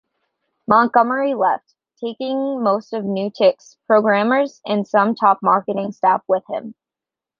Montgomery left, taking most of NewTek's programmers and some top marketing staff with him.